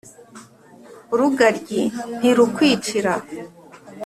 urugaryi ntirukwicira.